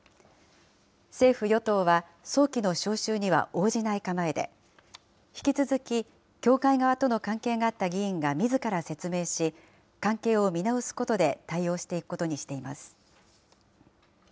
政府・与党は早期の召集には応じない構えで、引き続き教会側との関係があった議員がみずから説明し、関係を見直すことで対応していくことにしています。